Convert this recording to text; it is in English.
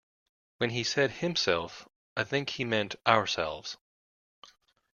When he said himself I think he meant ourselves.